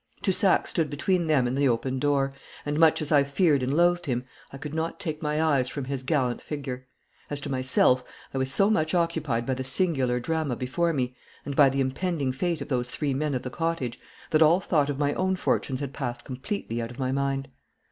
Toussac stood between them and the open door, and, much as I feared and loathed him, I could not take my eyes from his gallant figure. As to myself, I was so much occupied by the singular drama before me, and by the impending fate of those three men of the cottage, that all thought of my own fortunes had passed completely out of my mind.